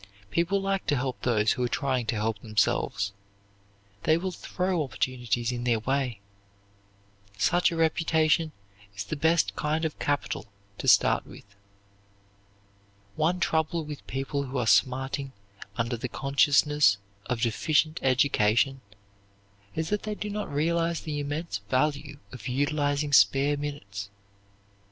People like to help those who are trying to help themselves. They will throw opportunities in their way. Such a reputation is the best kind of capital to start with. One trouble with people who are smarting under the consciousness of deficient education is that they do not realize the immense value of utilizing spare minutes.